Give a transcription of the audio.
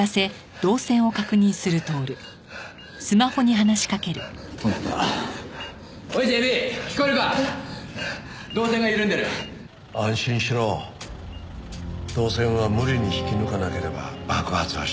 導線は無理に引き抜かなければ爆発はしない。